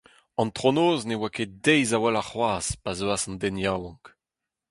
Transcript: Antronoz ne oa ket deiz a-walc'h c'hoazh, pa zeuas an den yaouank.